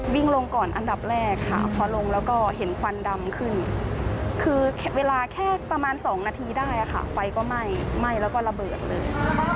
วิ่งลงก่อนอันดับแรกค่ะพอลงแล้วก็เห็นควันดำขึ้นคือเวลาแค่ประมาณ๒นาทีได้ค่ะไฟก็ไหม้ไหม้แล้วก็ระเบิดเลย